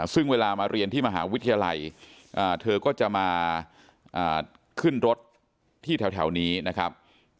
ซึ่งเวลามาเรียนที่มหาวิทยาลัยเธอก็จะมาขึ้นรถที่แถวนี้นะครับ